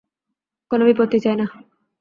কোন বিপত্তি চাই না।